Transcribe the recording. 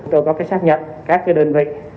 tôi có xác nhận các đơn vị